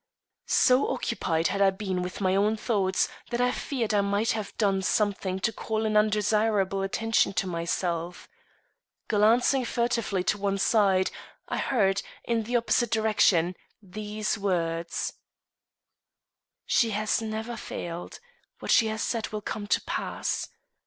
So occupied had I been with my own thoughts that I feared I might have done something to call an undesirable attention to myself. Glancing furtively to one side, I heard, in the opposite direction, these words: "She has never failed. What she has said will come to pass.